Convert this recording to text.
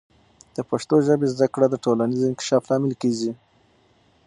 د پښتو ژبې زده کړه د ټولنیز انکشاف لامل کیږي.